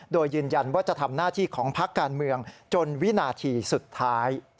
โดยยืนยันว่าจะทำหน้าที่ของพักการเมืองจนวินาทีสุดท้าย